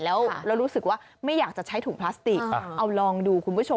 แล้วรู้สึกว่าไม่อยากจะใช้ถุงพลาสติกเอาลองดูคุณผู้ชม